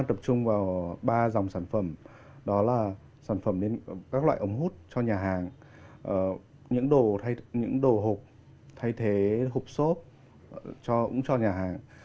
học chung vào ba dòng sản phẩm đó là sản phẩm đến các loại ấm hút cho nhà hàng những đồ hộp thay thế hộp xốp cũng cho nhà hàng